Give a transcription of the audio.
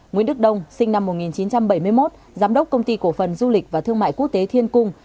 nguyễn đức đông sinh năm một nghìn chín trăm bảy mươi một giám đốc công ty cổ phần du lịch và thương mại quốc tế thiên cung